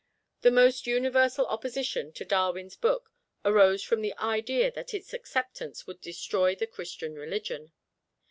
The almost universal opposition to Darwin's book arose from the idea that its acceptance would destroy the Christian religion.